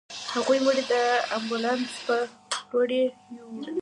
هغوی مړی د امبولانس په لورې يووړ.